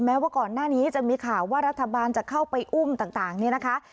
ว่าก่อนหน้านี้จะมีข่าวว่ารัฐบาลจะเข้าไปอุ้มต่างเนี่ยนะคะ